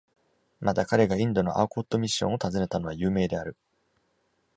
また、彼がインドのアーコット・ミッション （Arcot Mission） を訪ねたのは有名である。